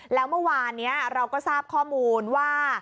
แล้วเมื่อวานนี้เราก็ทราบข้อมูลว่า